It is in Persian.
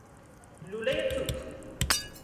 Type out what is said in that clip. لولۀ توپ